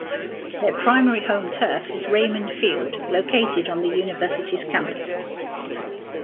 Their primary home turf is Raymond Field located on the University's campus.